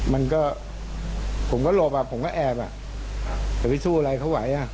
มันก็ผมก็หลบอ่ะผมก็แอบอ่ะแต่วิศูอะไรเขาไหวอ่ะ